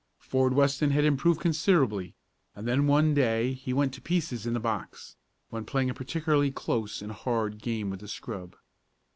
Ford Weston had improved considerably and then one day he went to pieces in the box, when playing a particularly close and hard game with the scrub.